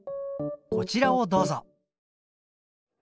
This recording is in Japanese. こちらをどうぞ。